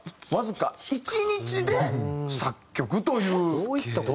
わずか１日で作曲という。